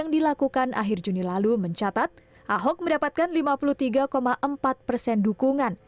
yang dilakukan akhir juni lalu mencatat ahok mendapatkan lima puluh tiga empat persen dukungan